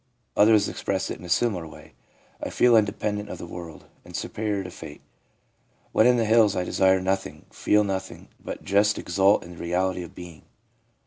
Others express it in a similar way. ' I feel independent of the world, and superior to fate.' 'When in the hills I desire nothing, feel nothing, but just exult in the reality of being.'